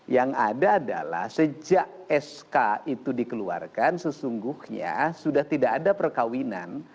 yang ada adalah sejak sk itu dikeluarkan sesungguhnya sudah tidak ada perkawinan